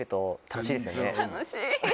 楽しい！